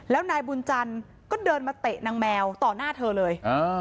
แล้วนายบุญจันทร์ก็เดินมาเตะนางแมวต่อหน้าเธอเลย